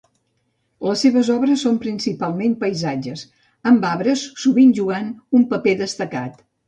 Les seves obres són principalment paisatges, amb arbres sovint jugant un paper destacat.